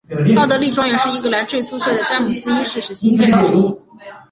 奥德莉庄园是英格兰最出色的詹姆斯一世时期建筑之一。